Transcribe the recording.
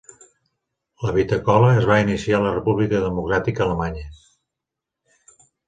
La Vita Cola es va iniciar a la República Democràtica Alemanya.